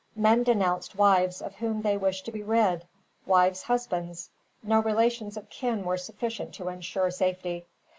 Men denounced wives of whom they wished to be rid, wives husbands; no relations of kin were sufficient to ensure safety.